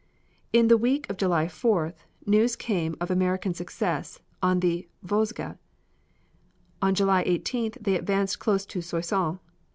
In the week of July 4th news came of American success in the Vosges. On July 18th they advanced close to Soissons.